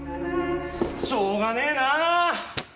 しょうがねえな！